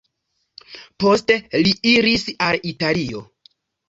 Poste li iris al Italio.